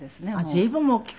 随分大きく。